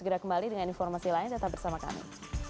segera kembali dengan informasi lain tetap bersama kami